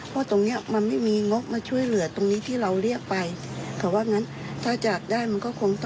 เขาเรียกร้องมาตามที่ดำเนียนต้นคือ๒แสนบาท